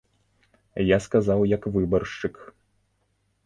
Я сказаў як выбаршчык.